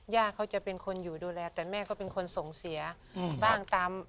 ย่าเขาจะเป็นคนอยู่ดูแลแต่แม่ก็เป็นคนส่งเสียบ้างตาม